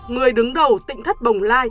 người đứng đầu tịnh thất bồng lai